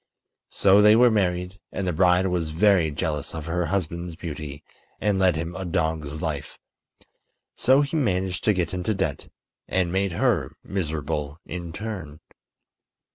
So they were married, and the bride was very jealous of her husband's beauty and led him a dog's life. So he managed to get into debt and made her miserable in turn.